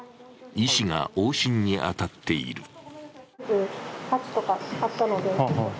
医師が往診に当たっている。